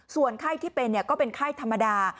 ส่วนไข้ที่เป็นก็เป็นไข้ธรรมดา